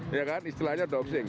iya kan istilahnya doxing